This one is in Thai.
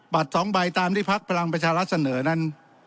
บัตรสองใบตามที่ภักดิ์พลังประชารัฐเสนอนั้น